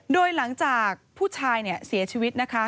โดยหลังจากผู้ชายเสียชีวิตนะคะ